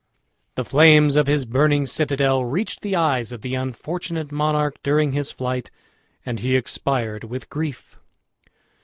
The flames of his burning citadel reached the eyes of the unfortunate monarch during his flight and he expired with grief.